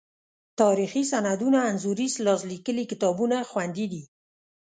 تاریخي سندونه، انځوریز لاس لیکلي کتابونه خوندي دي.